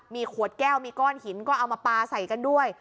มีขวดแก้วมีก้อนหินก็เอามาปลาใส่กันด้วย